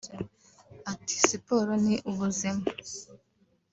Ati “Siporo ni ubuzima